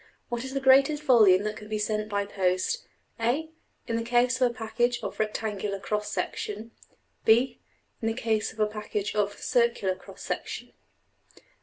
What is the greatest volume that can be sent by post (\textit{a})~in the case of a package of rectangular cross section; (\textit{b})~in the case of a package of circular cross section.